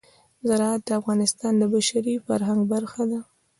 زراعت د افغانستان د بشري فرهنګ برخه ده.